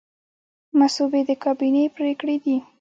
مصوبې د کابینې پریکړې دي